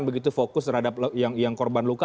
begitu fokus terhadap yang korban luka